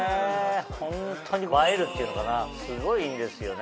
ホントに「映える」っていうのかなすごいいいんですよね。